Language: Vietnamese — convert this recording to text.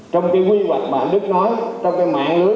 trong cái quy hoạch mà đức nói trong cái mạng lưới